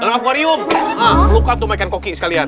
dalam aquarium bukan untuk makan koki sekalian